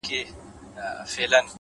د خاموش پارک بنچونه تل د انتظار ځای وي’